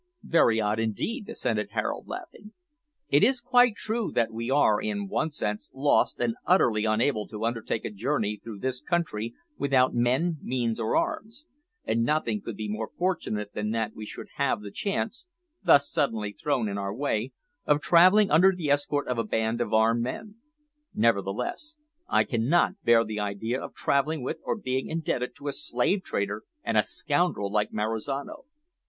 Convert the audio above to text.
"Very odd indeed," assented Harold, laughing. "It is quite true that we are, in one sense, lost and utterly unable to undertake a journey through this country without men, means, or arms; and nothing could be more fortunate than that we should have the chance, thus suddenly thrown in our way, of travelling under the escort of a band of armed men; nevertheless, I cannot bear the idea of travelling with or being indebted to a slave trader and a scoundrel like Marizano."